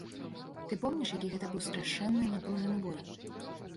Ты помніш, які гэта быў страшэнны, напружаны бой?